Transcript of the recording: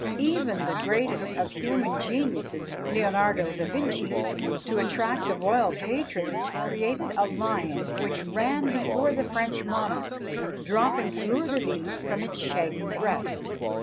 Even the greatest of human geniuses, Leonardo da Vinci, to attract the royal patronage, created a lion which ran before the French monarch, dropping fleurs de lis from its shaggy breast.